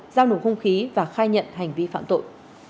giao nổ không khí và khai nhận hành vi phạm tội